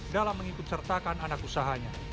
dalam mengikut sertakan anak usahanya